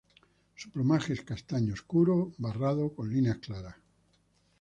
Su plumaje es castaño oscuro barrado con líneas claras.